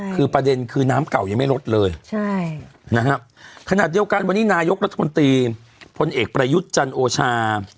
คือประเด็นคือน้ำเก่ายังไม่ลดเลยใช่นะครับขณะเดียวกันวันนี้นายกรัฐมนตรีพลเอกประยุทธ์จันโอชา